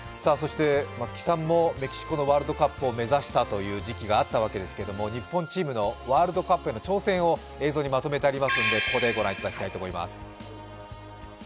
松木さんもメキシコのワールドカップを目指した時期があったわけですけども、日本チームのワールドカップへの挑戦をまとめましたのでここでご覧いただきたいと思います。